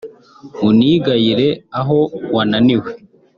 unigayire aho wananiwe